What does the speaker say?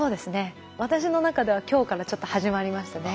私の中では今日からちょっと始まりましたね。